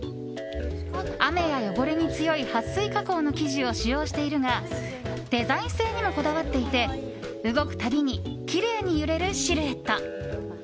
雨や汚れに強い撥水加工の生地を使用しているがデザイン性にもこだわっていて動くたびにきれいに揺れるシルエット。